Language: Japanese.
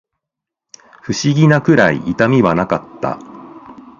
不思議なくらい痛みはなかった